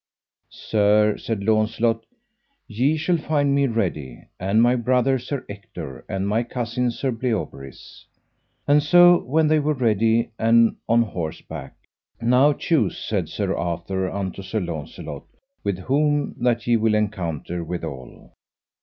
Sir, said Launcelot, ye shall find me ready, and my brother Sir Ector, and my cousin Sir Bleoberis. And so when they were ready and on horseback: Now choose, said Sir Arthur unto Sir Launcelot, with whom that ye will encounter withal.